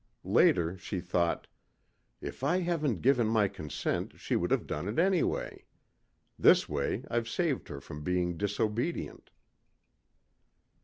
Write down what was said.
Later she thought, "If I hadn't given my consent she would have done it anyway. This way I've saved her from being disobedient."